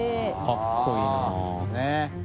かっこいい。